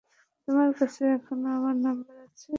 তোমার কাছে এখনো আমার নাম্বার আছে?